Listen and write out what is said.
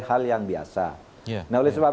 hal yang biasa nah oleh sebab